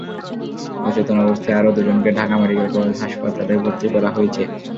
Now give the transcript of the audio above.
অচেতন অবস্থায় আরও দুজনকে ঢাকা মেডিকেল কলেজ হাসপাতালে ভর্তি করা হয়েছে।